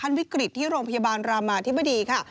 วิกฤตที่โรงพยาบาลรามาธิบดีค่ะ